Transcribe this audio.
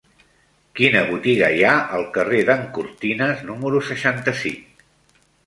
Quina botiga hi ha al carrer d'en Cortines número seixanta-cinc?